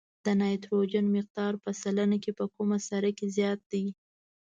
د نایتروجن مقدار په سلنه کې په کومه سره کې زیات دی؟